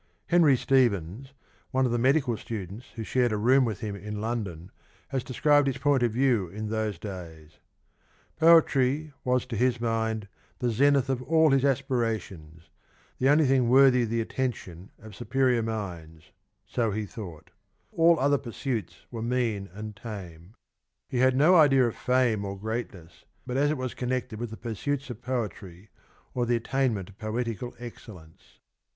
Henry Stephens, one of the '^^'^^'"^'^ medical students who shared a room with him in London, has described his point of view in those days : "Poetry was to his mind the zenith of all his aspirations : the only thing worthy the attention of superior minds : so he thought : all other pursuits were mean and tame. He had no idea of fame or greatness but as it was connected with the pursuits of poetry or the attainment of poetical excellence."